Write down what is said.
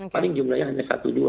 paling jumlahnya hanya satu dua